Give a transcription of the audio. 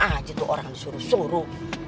aja tuh orang disuruh suruh